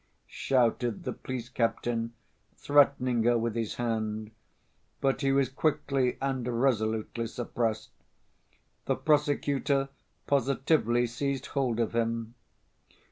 shouted the police captain, threatening her with his hand. But he was quickly and resolutely suppressed. The prosecutor positively seized hold of him.